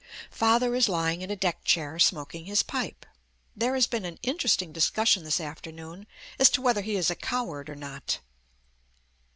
Father is lying in a deck chair, smoking his pipe. There has been an interesting discussion this afternoon as to whether he is a coward or not.